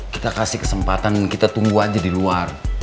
kita kasih kesempatan kita tunggu aja di luar